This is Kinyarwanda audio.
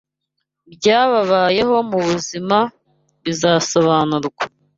byababayeho mu buzima bizasobanurwa